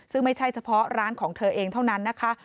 ซึ่งไม่ใช่เฉพาะร้านของเธอเองเท่านั้นนะคะ